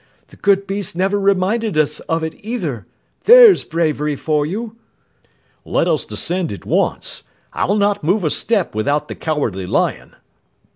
"The good beast never reminded us of it, either. There's bravery for you!" "Let us descend at once, I'll not move a step without the Cowardly Lion!"